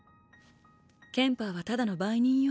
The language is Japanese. ケンパーはただの売人よ。